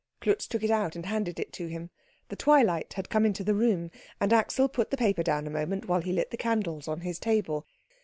Klutz took it out and handed it to him. The twilight had come into the room, and Axel put the paper down a moment while he lit the candles on his table.